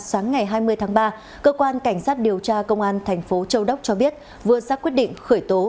sáng ngày hai mươi tháng ba cơ quan cảnh sát điều tra công an tp châu đốc cho biết vừa xác quyết định khởi tố